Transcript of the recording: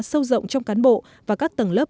sâu rộng trong cán bộ và các tầng lớp